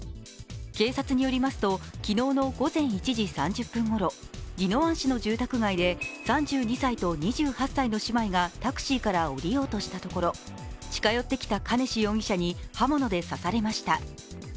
警察によりますと、昨日の午前１時３０分ごろ宜野湾市の住宅街で３２歳と２８歳の姉妹がタクシーから降りようとしたところ、近寄ってきた兼次容疑者に刃物で刺されました。